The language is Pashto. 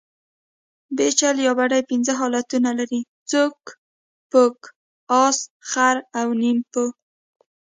بیجل یا بډۍ پنځه حالتونه لري؛ چوک، پوک، اس، خر او نیمپو.